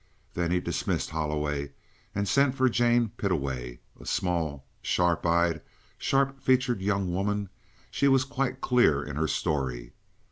Then he dismissed Holloway, and sent for Jane Pittaway. A small, sharp eyed, sharp featured young woman, she was quite clear in her story.